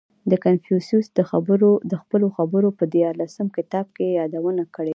• کنفوسیوس د خپلو خبرو په دیارلسم کتاب کې یې یادونه کړې ده.